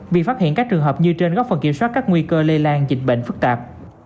việc phát hiện các trường hợp như trên góp phần kiểm soát các nguy cơ lây lan dịch bệnh phức tạp